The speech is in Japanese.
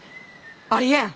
ありえん！